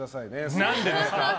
何でですか！